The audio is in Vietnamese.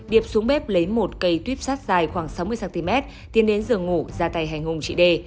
điệp xuống bếp lấy một cây tuyếp sắt dài khoảng sáu mươi cm tiến đến giường ngủ ra tay hành hùng chị đề